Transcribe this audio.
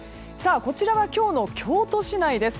こちらは今日の京都市内です。